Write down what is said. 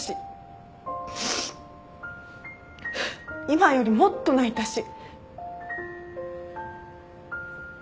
今よりもっと泣いたし。